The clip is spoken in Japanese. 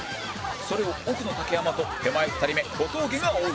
それを奥の竹山と手前２人目小峠が追う